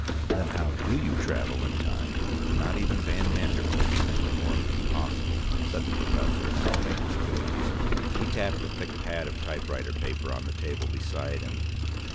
"Then how do you travel in time?" "Not even van Manderpootz can perform the impossible," said the professor, now faintly jovial. He tapped a thick pad of typewriter paper on the table beside him.